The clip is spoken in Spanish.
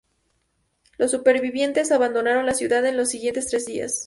Los supervivientes abandonaron la ciudad en los siguientes tres días.